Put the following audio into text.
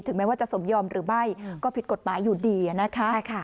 แม้ว่าจะสมยอมหรือไม่ก็ผิดกฎหมายอยู่ดีนะคะ